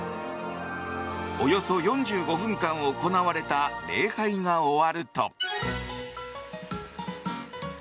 およそ４５分間行われた礼拝が終わると。